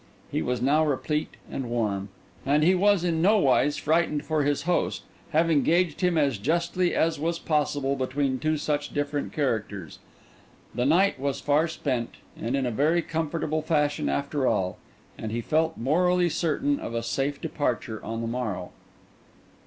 He was now replete and warm; and he was in nowise frightened for his host, having gauged him as justly as was possible between two such different characters. The night was far spent, and in a very comfortable fashion after all; and he felt morally certain of a safe departure on the morrow.